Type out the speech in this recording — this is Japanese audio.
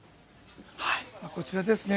こちらですね。